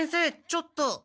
ちょっと。